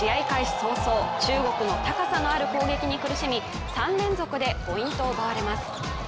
早々、中国の高さのある攻撃に苦しみ３連続でポイントを奪われます。